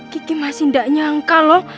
kiki masih tidak nyangka loh